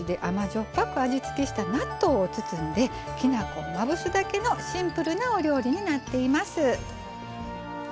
っぱく味付けした納豆を包んできな粉をまぶすだけのシンプルなお料理になっています。